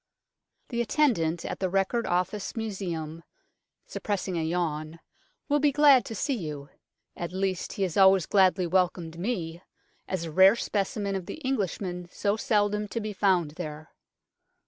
The attendant at the Record Office Museum (suppressing a yawn) will be glad to see you. At least, he has always gladly welcomed me, as a rare specimen of the Englishman so seldom to be found there.